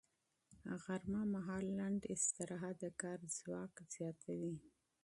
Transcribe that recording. غرمه مهال لنډ استراحت د کار ځواک زیاتوي